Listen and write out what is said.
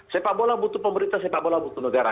sepak bola butuh pemerintah sepak bola butuh negara